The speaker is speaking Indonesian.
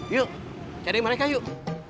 yuk cari mereka yuk